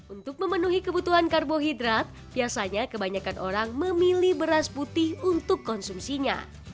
untuk memenuhi kebutuhan karbohidrat biasanya kebanyakan orang memilih beras putih untuk konsumsinya